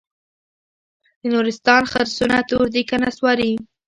د نورستان خرسونه تور دي که نسواري؟